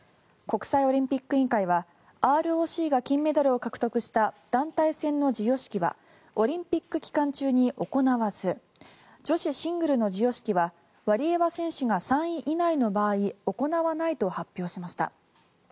国際オリンピック委員会はＲＯＣが金メダルを獲得した団体戦の授与式はオリンピック期間中に行わず女子シングルの授与式はワリエワ選手が３位以内の場合行わないと発表しました。